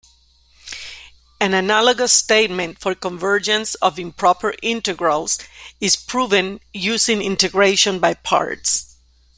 An analogous statement for convergence of improper integrals is proven using integration by parts.